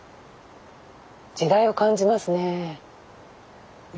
時代を感じますね。